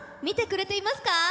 見てくれてますか？